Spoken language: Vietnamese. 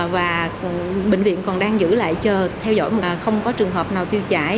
và bệnh viện còn đang giữ lại chờ theo dõi mà không có trường hợp nào tiêu chảy